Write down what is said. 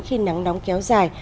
khi nắng nóng kéo dài